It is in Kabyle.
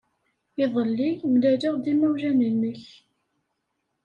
Iḍelli, mlaleɣ-d imawlan-nnek.